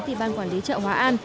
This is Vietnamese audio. thì ban quản lý chợ hóa an